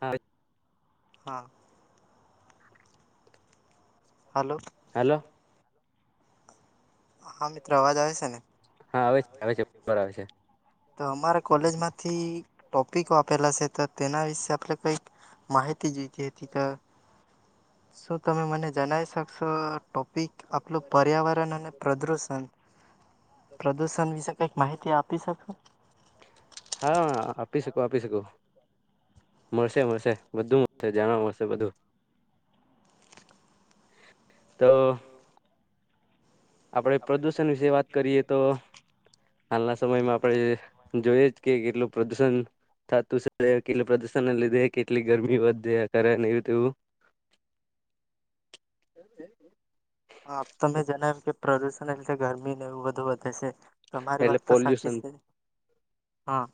હા હા hello hello હા મિત્રો અવાજ આવે છે ને હા આવે છે આવે છે બરાબર આવે છે તો અમારા કોલેજ માંથી ટોપિકો આપેલા છે તો તેના વિશે આપણે કંઈક માહિતી જોતી હતી તો શું તમે મને જણાવી શકશો ટોપિક આપલું પર્યાવરણ અને પ્રદૂષણ પ્રદૂષણ વિશે કંઈક માહિતી આપી શકો હા. આપી શકો આપી શકો મળશે મળશે બધું મળશે જાણવા મળશે બધું તો તો આપડણે પ્રદૂષણ વિશે વાત કરીએ તો હાલના સમયમાં આપણે જોઈએ જ કે કેટલું પ્રદુષણ થતું છે કેટલું પ્રદુષણ લીધે કેટલી ગરમી વધેરે અત્યારે ને નવવું તવવુ હ હ તમને જનાવ કે પ્રદુશ અને એટલે ગરમીને એવું બધું વધે છે. તમારી એટલે વાત તો સાચી પોલ્યુશન છે. હા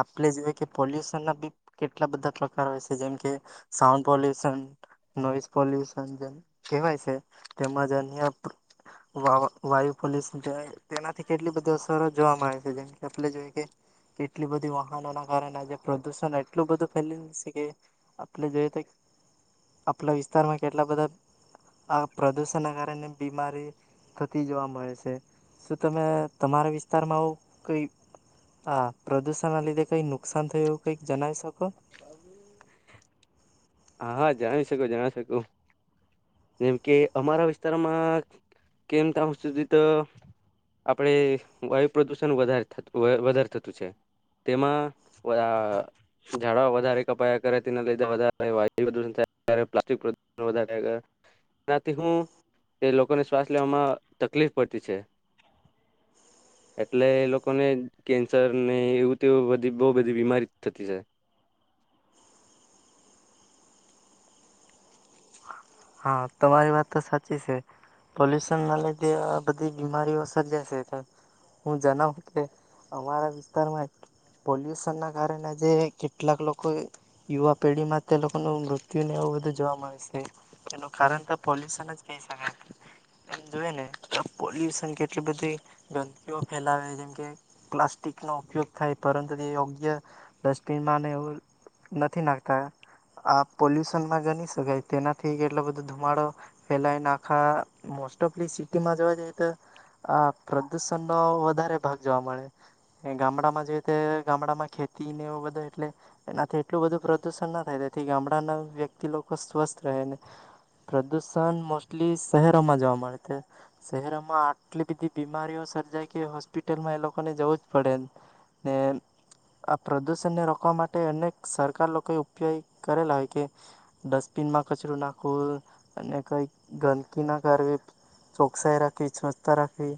આપણે જોય કે પોલ્યુશન ના બી કેટલા બધા પ્રકાર હોય છે જેમ કે સાઉન્ડ પોલ્યુશન નોઈસ પોલ્યુશન જેમ કેહેવાય છે. તેમજ અન્ય વાયુ પોલ્યસન તેનાથી કેટલી બધી અસરો જોવા મળ આવે છે જેમ કે આપણે જોઈએ કે કેટલી બધી વાહનોના કારણે આજે પ્રદૂષણ એટલું બધું ફેલી છે કે આપણે જોઈએ તો આપણા વિસ્તારમાં કેટલા બધા આ પ્રદૂષણના કારણે બીમારી થતી જોવા મળે છે શું તમે તમારા વિસ્તારમાં આવું કંઈ આ પ્રદૂષણના લીધે કંઈ નુકસાન થયું એવું કંઈક જણાવી શકો. હા હા જણી શકો જણાવી શકો જેમ કે અમારા વિસ્તારમાં કેમ ત સુધી તો આપડે વાયુ પ્રદુષણ વધારે વધારે થતું છે તેમાંઆ ઝાડવા વધારે કપાયા કરે તેના લીધે વધ વાયુદૂ થ કર પ્લાિક વધા ર થ કર એનાથી હું એ લોકોને શ્વાસ લેવામાં તકલીફ પડતી છે એટલે એ લોકોને કેન્સર નહી એવું તે બધી બહુ બધી બીમારી થતી છે. હા તમારી વાત તો સાચી છે પોલ્યુશન ના લીધે આ બધી બીમારીઓ સર્જા છે હું જણાવું કે અમારા વિસ્તારમાં પોલ્યુશન ના કારણે આજે કેટલાક લોકો યુવા પેઢીમાં તે લોકોનું મૃત્યુ ને એવું બધું જોવા મળે છે. એનું કારણ તો પોલ્યુશન જ કહી શકાય એમ જોઈ ને તો પોલ્યુશન કેટલી બધી ગંદકીઓ ફેલાવે જેમકે પ્લાસ્ટિકનો ઉપયોગ થાય પરંતુ તે યોગ્ય ડસ્ટબિનમાં એવું નથી નાખતા આ પોલ્યુશનમાં ગણી શકાય તેના થીક એટલો બધો ધુમાડો ફેલાયને આખા મોસ્ટ ઓફલી સિટીમાં જોવા જઈએ તો પ્રદૂષણનો વધારે ભાગ જોવા મળે ગામડામાં જઈએ તો ગામડામાં ખેતીને એવ બધો એટલે એનાથી એટલું બધું પ્રદૂષણ ના થાય તેથી ગામડાના વ્યક્તિ લોકો સ્વસ્થ રહેને પ્રદૂષણ મોસ્ટલી શહેરોમાં જોવા મળે છે શહેરોમાં આટલી બધી બીમારીઓ સર્જાય કે હોસ્પિટલમાં એ લોકોને જવું જ પડે ને આ પ્રદૂષણને રોકવા માટે અનેક સરકાર લોકોએ ઉપયોગ કરેલા હોય કે ડસ્ટબિનમાં કચરું નાખવ અને કંઈક ગંદકી ના કરવી ચોકસાઈ રાખવી સ્વચ્છતા રાખવી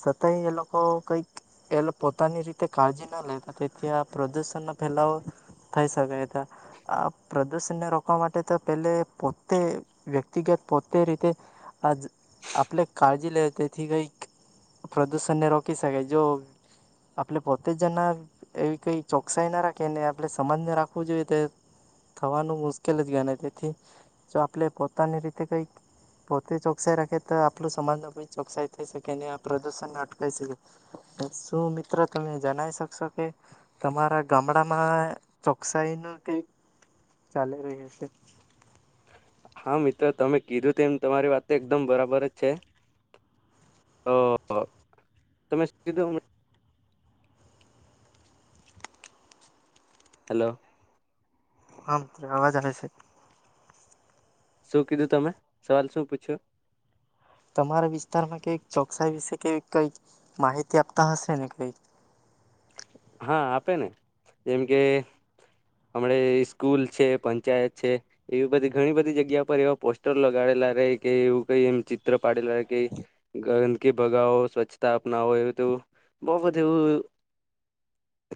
છતાંય એ લોકો કંઈક એ પોતાની રીતે કાળજી ન લેતા તેથી આ પ્રદૂષણનો ફેલાવો થઈ શકાય હતા આ પ્રદૂષણને રોકવા માટે તો પહેલે પોતે વ્યક્તિગત પોતે રીતે આ આપણે કાળજી લે તેથી કંઈક પ્રદૂષણને રોકી શકાય જો આપણે પોતે જના એવી કંઈ ચોકસાઈ ના રાખીને આપણે સમાજને રાખવું જોઈએ તે થવાનું મુશ્કેલ જ ગણાય તેથી જો આપણે પોતાની રીતે કઈક પોતે ચોકસાઈ રાખે તો આપું સમાજ ન ચોકસાઈ થઈ શકે અને આ પ્રદુષણ અટકઈ શકે શું મિત્રો તમે જણાવ શકશો કે તમારા ગામડામાં ચો કશહી ન કઇક ચાલી રહ્યું છે. હા મિત્રો તમે કીધું તેમ તમારી વાત એકદમ બરાબર જ છે તો તમે શું કીધું. હલો. હા મિત્ર અવાજ આવે છે. શું કીધું તમે સવાલ શું પૂછ્યું તમારા વિસ્તારમાં કઈ ચોકસાઈ વિશે કેવી કઈ માહિતી આપતા હશે ને કઈક. હા આપે ને જેમ કે, હમણે સ્કૂલ છે પંચાયત છે એવી બધી ઘણી બધી જગ્યા પર એવા પોસ્ટર લગાડેલા રહે કે એવું કઈ એમ ચિત્ર પાડીલવા કે, ગોવન્ંદ્ર કે ભગાવો સ્વચ્છતા અપનાવો એવું બહ બધું એવું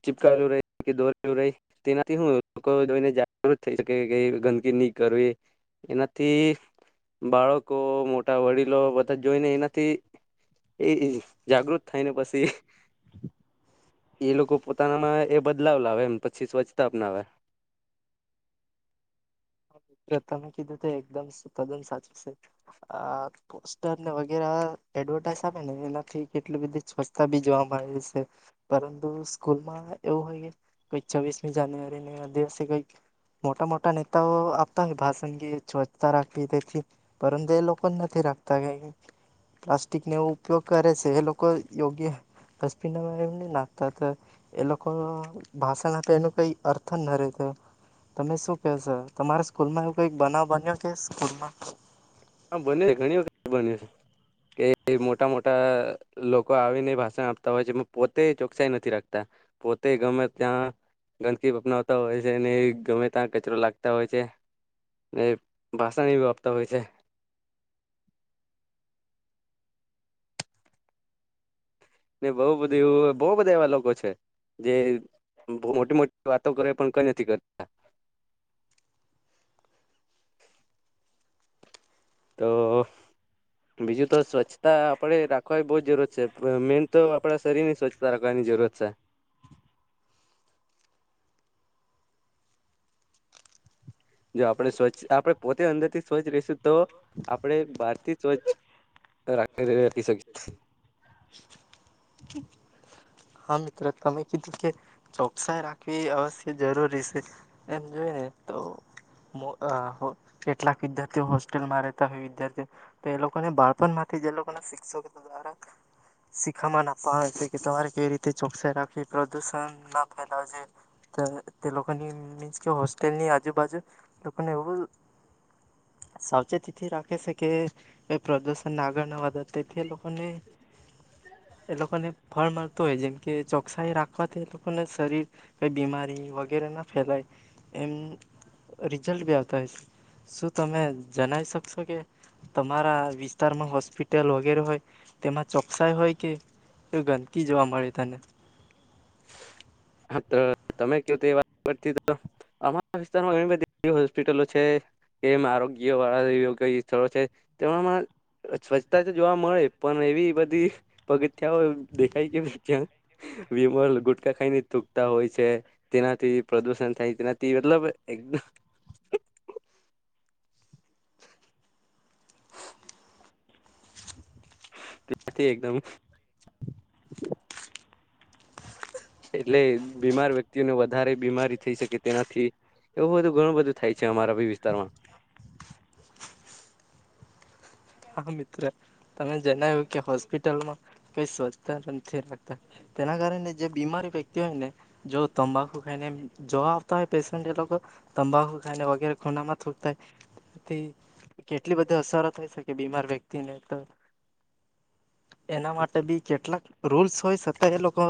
ચીપકાવેલું ર કે દોરેલું રહે, તેનાથી શું લોકો જોઈને જાગૃત થઈ શકે કે ગંદકી નહી કરવી, એનાથી બાળકો મોટા વડીલો બધા જોઈને એનાથી એ જાગૃત થાયને પછી એ લોકો પોતાનામાં એ બદલાવ લાવે એમ પછી સ્વચ્છતા અપનાવે. એકમ તદ્દન સાચું છે, આ પોસ્ટર વગેરે એડવર્ટાઈઝ આપ ને, એનાથી કેટલી બધી સ્વચ્છતા બી જોવા મળે છે, પરંતુ સ્કૂલમાં એવું હોયક છવીસમી જાન્યુઆરીને દિવસે કઈક, મોટા મોટા નેતાઓ સ્વતા રાખવી તેથી, પરંતુ એ લોકો નથી રાખતા કે, પ્લાસ્ટિકને એવ ઉપયોગ કરે છે એ લોકો, યોગ્ય ડબિન એ નાખતા એ લોકો ભાષણ આપે એનું કઈ અર્થ ના રહેેતો તમે શું કેહે છો તમારે સ્કૂલ માં એવ કઈક બનાવ બન્યો કે સ્કૂલમાં? હ બ ઘણી વખત બન્યું છે, કે મોટા મોટા લોકો આવીને ભાષણ આપતા હોય છે પોતે ચોકસાઈ નથી રાખતા, પોતે ગમે ત્યાં ગંદકી અપનાવતા હોય છે ને ગમે ત્યાં કચરો લાગતા હોય છે, ને ભાષા આપતા હોય છે. ને બહુ બધું બહુ બધા એવા લોકો છે, જે મોટી મોટી વાતો કરે પણ કઈ નથી કરતા. તો બીજું તો સ્વચ્છતા આપણેે રાખવાની બહ જ જરૂરત છે મેન તો આપણા શરીરની સ્વચ્છતા રાખવાની જરૂર છે. જો આપણે સ્વચ્છ આપણે પોતે અંદરથી સ્વચ્છ રહીશું તો, આપણે બહારથી સ્વચ્છ રા રાખી શકી હા મિત્ર, તમે કીધું કે ચોકસાઈ રાખવી અવશ્ય જરૂરી છે, એમ જોઈ ને તો કેટલાક વિદ્યાર્થીઓ હોસ્ટેલમાં રહેતા હોય વિદ્યાર્થીઓ, તો એ લોકોને બાળપણ માંથી લોકોના શિક્ષકો દ્વારા શીખામન આપવા આવે છે કે તમારે કેવી રીતે તે ચોકસાઈ રાખી પ્રદુષણ ના ફેલા છે, તે લોકોની મીન્સ કે હોસ્ટેલની આજુબાજુ, લોકોને એવું, સાવચેતીથી રાખે છે કે પ્રદૂષણને આગળ ના વધારે તેથી એ લોકોને, એ લોકોને ફળ મળ તો હોય જેમ કે ચોકસાઈ રાખવાથી એ લોકોને શરીર, કંઈ બીમારી વગેરે ના ફેલાય, એમ રિઝલ્ટ બી આવતા હોય છે, શું તમે જણાવી શકશો કે, તમારા વિસ્તારમાં હોસ્પિટલ વગેરે હોય તેમાં ચોકસાઈ હોય કે એ ગંધ જોવા મળ્યું તને? હાત્ર તમે ક તો એ વાત તી તો વિસ્તારમાં બધી હોસ્પિટલો છે, કેમ આરોગ્ય વાળાગ્ય સ્થળો છે, તે સ્વચ્છતા તો જોવા મળે પણ એવી બધી, પગથિયાઓ દેખાય કે ક્યાં વીમ ગુટકાા ખાઈને તૂકતા હોય છે, તેનાથી પ્રદુષણ થાય તેનાથી મતલબ એકમ ત્યાથી એકદમ એટલે બીમાર વ્યક્તિઓને વધારે બીમારી થઈ શકે તેનાથી, એવું બધું ઘણું બધું થાય છે અમારા બી વિસ્તારમાં. હા મિત્ર, તમે જણાવ્યું કે હોસ્પિટલમાં કઈ સ્વચ્છ નથી રાખતા, તેના કારણે જે બીમારી વ્યક્તિ હોય ને જો તંબાકુ ખાઈને જો આવતા હોય પેશન્ટ એ લોકો, તંબાકુ ખાઈને વગેરે ખૂનામાં થૂકતાય, તેથી કેટલી બધી અસાર થઈ શકે બીમાર વ્યક્તિને, એના માટે બી કેટલાક રૂલ્સ હોય છતાં એ લોકો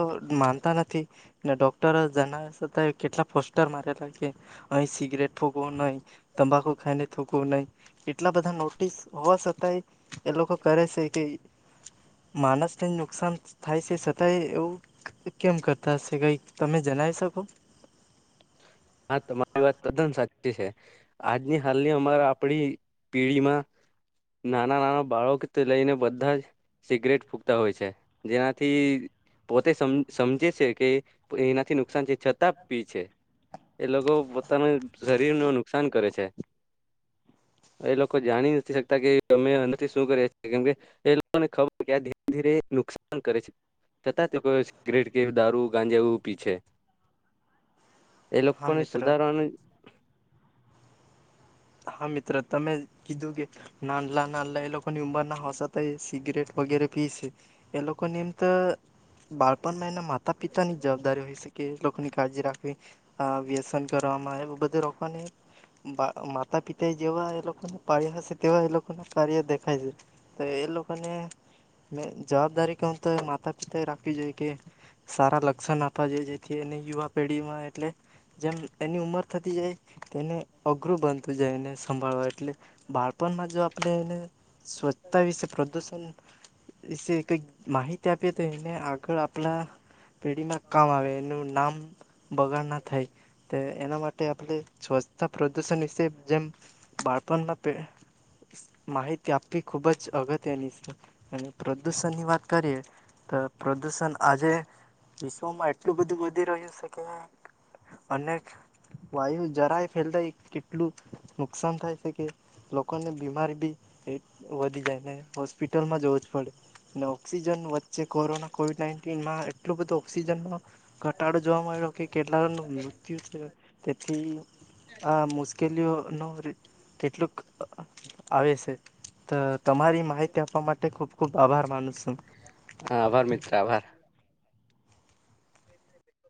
માનતા નથી, ને ડોક્ટર જણાવ્યા છતાં કેટલા પોસ્ટર મારેલા કે, અહી સિગરેટ ફૂકવું નહીં, તંબાકુ ખાઈને થુંકવું નહીં, એટલા બધા નોટિસ હોવા સાથે એ એ લોકો કરે છે કે માણસને નુકસાન થાય છે છતાંય એવું કેમ કરતા હશે કઈ તમે જેનાઇ શકો? હા તમારી વાત તદ્દન સાચી છે, આજની હાલની અમારા આપડી પેઢીમાં, નાના નાના બાળક લઈને બધા જ, સિગરેટ ફૂકતા હોય છે, જેનાથી પોતે સમ સમજે છે કે એનાથી નુકસાન છે છતાં પી છે. એ લોકો પોતાના શરીર નુ નુકસાન કરે છે, એ લોકો જાણી નથી શકતા કે અમે એનાથી શું કરીએ કેમકે, એ લોકોને ખબર કે આ ધીરે ધીરે નુકસાન કરે છે, છતાં તે સિગરેટ, કે દારૂ ગાંજાવું પીછે હા લોકોને મિત્ર સુધારવાનું હા મિત્ર તમે કીધું કે નાનલા નાનલા એ લોકોની ઉંમરના હોસાતા એ સિગરેટ વગેરે પી છે, એ લોકોને એમ તો બાળપણમાં એના માતા પિતા ની જવાબદારી હોય છે, કે એ લોકોની કાળજી રાખવી અ વ્યસન કરવામાં બધે રોકવાની માગ માતા પિતા એ જેવા એ લોકોને પાડ્યા હશે તેવા એ લોકોને કાર્ય દેખાય છે, તો એ લોકોને મે જવાબદારી કહું તો માતા પિતા એ રાખવી જોઈએ, કે સારા લક્ષણ આપવા જેઈએ એ યુવા પેઢીમાં એટલે, જેમ એની ઉંમર થતી જાય એને અઘરું બન જાય એને સંભાળવા એટલે, બાળપણમાં જો આપણે એને સ્વચ્છતા વિશે પ્રદૂષણ વિશે કંઈક માહિતી આપીએ તો એને આગળ તો આપલા પેઢીમાં કામ આવે એનું નામ બગાડ ના થાય. એના માટે આપણે સ્વચ્છતા પ્રદૂષણ વિશે જેમ બાળપણમાં પે માહિતી આપવી ખૂબ જ અગત્યની છે, અને પ્રદૂષણની વાત કરીએ, તો પ્રદૂષણ આજે વિશ્વમાં એટલું બધું વધી રહ્યું છે કે, અનેક વાયુ જરાય ફેલતાય કેટલું નુકસાન થાય છે કે લોકોને બીમારી બી એ વધી જાય છે. હોસ્પિટલમાં જવું જ પડે. ને ઓક્સિજન વ જે કોરોના કોવિડ નાઈનટીમાં એટલો બધો સીઝનમાં ઘટાડો જોવા મળ્યો કે કેટલા નું મૃત્યુ થયો. તેથી આ મુશ લ્યોનું રી તેટલુંક અ આવે સે. તો તમારી માહિતી આપવા માટે ખુબ ખુબ આભાર માનું સું. આભાર મિત્ર આભાર